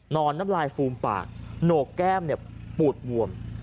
นอนน้ำลายฟูมปากโหนกแก้มเนี้ยปูดววม